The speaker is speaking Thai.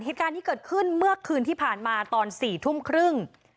เหตุการณ์ที่เกิดขึ้นเมื่อคืนที่ผ่านมาตอน๔ทุ่มครึ่ง